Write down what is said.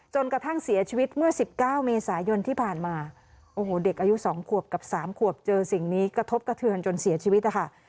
จนกระทั่งเสียชีวิตเมื่อ๑๙เมษายนที่ผ่านมาโอ้โหเด็กอายุ๒ขวบกับ๓ขวบเจอสิ่งนี้กระทบกระเทือนจนเสียชีวิตนะคะ